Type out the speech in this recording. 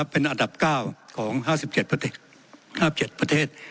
เป็นอันดับ๙ของ๕๗๕๗ประเทศ